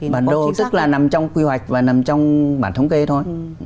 bản đồ tức là nằm trong quy hoạch và nằm trong bản thống kê thôi